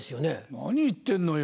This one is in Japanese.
何言ってんのよ。